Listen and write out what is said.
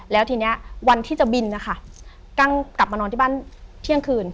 แล้วทีนี้วันที่จะบินนะคะกั้งกลับมานอนที่บ้านเที่ยงคืน